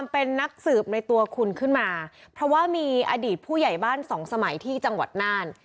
เป็นนักสืบในตัวคุณขึ้นมาเพราะว่ามีอดีตผู้ใหญ่บ้านสองสมัยที่จังหวัดน่าน